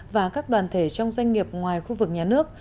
và các đoàn thể trong doanh nghiệp ngoài khu vực nhà nước